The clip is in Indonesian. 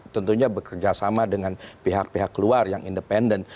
tentunya bekerja sama dengan pihak pihak luar yang independen